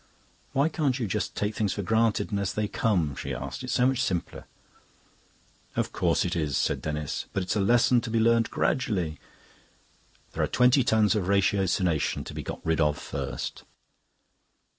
"Why can't you just take things for granted and as they come?" she asked. "It's so much simpler." "Of course it is," said Denis. "But it's a lesson to be learnt gradually. There are the twenty tons of ratiocination to be got rid of first."